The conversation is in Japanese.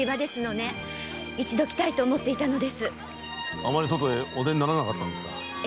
あまり外へお出にならなかったのですか。